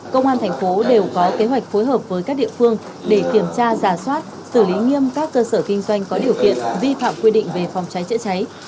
công an thành phố đều có kế hoạch phối hợp với các địa phương để kiểm tra giả soát xử lý nghiêm các cơ sở kinh doanh có điều kiện vi phạm quy định về phòng cháy chữa cháy